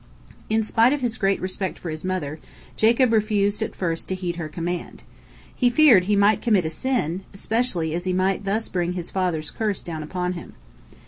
In spite of his great respect for his mother, Jacob refused at first to heed her command. He feared he might commit a sin, especially as he might thus bring his father's curse down upon him.